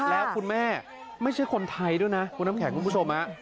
แล้วคุณแม่ไม่ใช่คนไทยด้วยนะคุณน้ำแข็งคุณผู้ชม